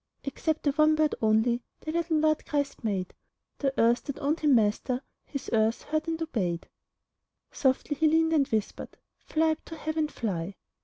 Except the one bird only The little Lord Christ made; The earth that owned Him Master, His earth heard and obeyed. Softly He leaned and whispered: "Fly up to Heaven! Fly!"